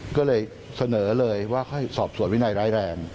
ก็เลยเสนอเลยว่าให้สอบสวนวินัยร้ายแรง